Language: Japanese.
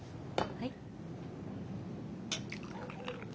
はい。